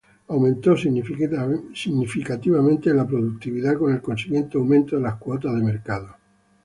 Aumentó significativamente la productividad con el consiguiente aumento de las cuotas de mercado.